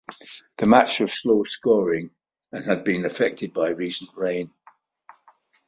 The match was low scoring and had been affected by recent rain.